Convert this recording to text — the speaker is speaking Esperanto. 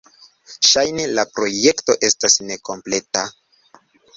Ŝajne la projekto estas nekompleta.